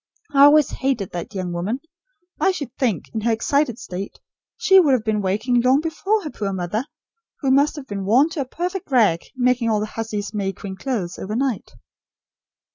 I always hated that young woman! I should think, in her excited state, she would have been waking long before her poor mother, who must have been worn to a perfect rag, making all the hussy's May Queen clothes, overnight."